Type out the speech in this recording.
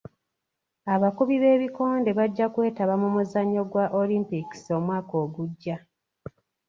Abakubi b'ebikonde bajja kwetaba mu muzannyo gwa olimpikisi omwaka ogujja.